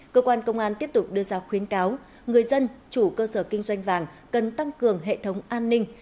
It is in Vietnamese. cơ quan công an tiếp tục đưa ra khuyến cáo người dân chủ cơ sở kinh doanh vàng cần tăng cường hệ thống an ninh